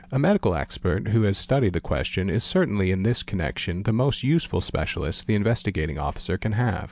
A medical expert who has studied the question is certainly in this connection the most — useful specialist the Investigating Officer can have.